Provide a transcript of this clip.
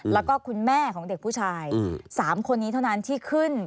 แล้วก็คุณแม่ของเด็กผู้ชาย๓คนนี้เท่านั้นที่ขึ้น